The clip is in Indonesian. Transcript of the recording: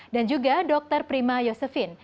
dan juga dr prima yosefin